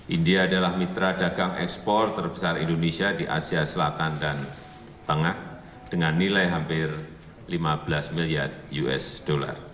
india adalah mitra dagang ekspor terbesar indonesia di asia selatan dan tengah dengan nilai hampir lima belas miliar usd